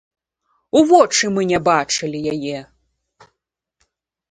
У вочы мы не бачылі яе!